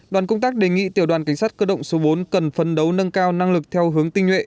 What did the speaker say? đoàn công tác đề nghị tiểu đoàn cảnh sát cơ động số bốn cần phấn đấu nâng cao năng lực theo hướng tinh nhuệ